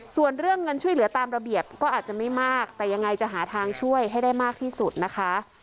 ส่วนเรื่องเงินช่วยเหลือตามระเบียบก็อาจจะไม่มากแต่ยังไงจะหาทางช่วยให้ได้มากที่สุดนะคะ